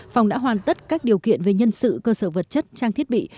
phòng đã hoàn tất các điều kiện về nhân sự cơ sở vật chất trang thiết bị